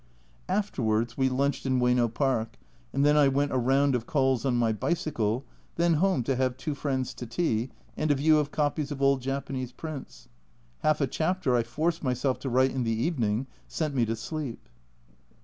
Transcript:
Afterwards we lunched in Oyeno Park, and then I went a round of calls on my bicycle, then home to have two friends to tea, and a view of copies of old Japanese prints : half a chapter I forced myself to write in the evening sent me to sleep.